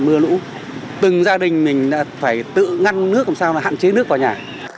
mưa lũ từng gia đình mình đã phải tự ngăn nước làm sao là hạn chế nước vào nhà